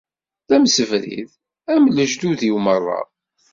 D amsebrid, am lejdud-iw merra.